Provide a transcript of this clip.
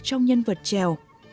trong nhân vật trèo